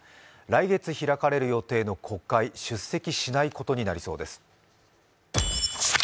来月開かれる予定の国会、出席しないことになりそうです。